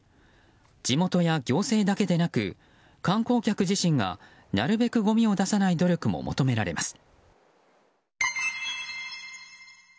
地元や行政だけでなく観光客自身がなるべくごみを出さない努力も求められます。